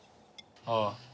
ああ。